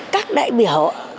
các đại biểu